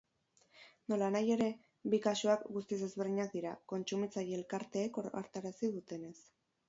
Nolanahi ere, bi kasuak guztiz ezberdinak dira, kontsumitzaile elkarteek ohartarazi dutenez.